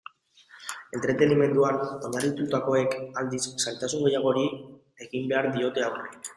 Entretenimenduan oinarritutakoek, aldiz, zailtasun gehiagori egin behar diote aurre.